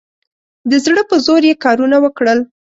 د زړه په زور یې کارونه وکړل.